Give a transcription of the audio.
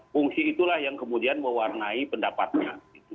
fungsi itulah yang kemudian mewarnai pendapatnya